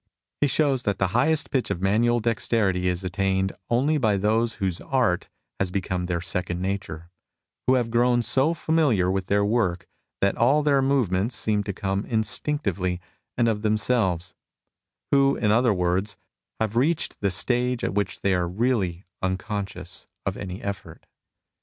* He shows that the highest pitch of manual dexterity is attained only by those whose art has become their second nature, who have grown so familiar with their work that all their movements seem to come instinc tively and of themselves, who, in other words, have reached the stage at which they are really " unconscious " of any effort.